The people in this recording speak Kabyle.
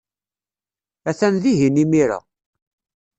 Atan dihin imir-a.